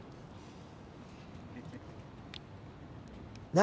何？